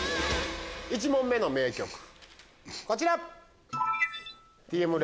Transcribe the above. １問目の名曲こちら！